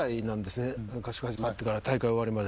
合宿始まってから大会終わるまで。